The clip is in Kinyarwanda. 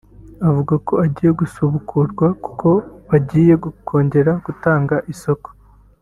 Avuga ko ugiye gusubukurwa kuko bagiye kongera gutanga isoko